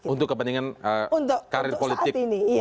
untuk kepentingan karir politik untuk saat ini